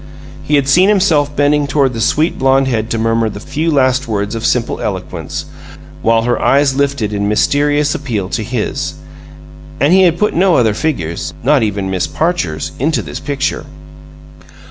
He had seen himself bending toward the sweet blonde head to murmur the few last words of simple eloquence, while her eyes lifted in mysterious appeal to his and he had put no other figures, not even Miss Parcher's, into this picture.